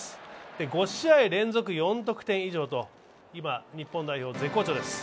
５試合連続４得点以上と、今、日本代表絶好調です。